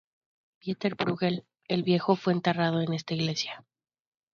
Pieter Bruegel el Viejo fue enterrado en esta iglesia.